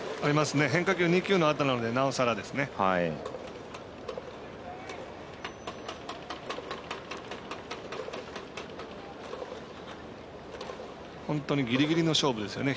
変化球２球のあとなのでなおさらですね。